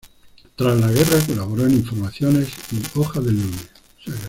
Tras la guerra colaboró en Informaciones y "Hoja del Lunes".